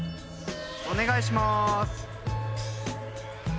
お願いします。